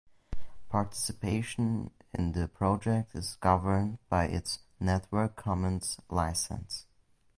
Participation in the project is governed by its Network Commons License.